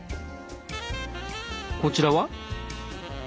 こちらは？